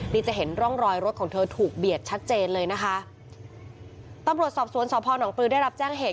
นี่จะเห็นร่องรอยรถของเธอถูกเบียดชัดเจนเลยนะคะตำรวจสอบสวนสพนปลือได้รับแจ้งเหตุ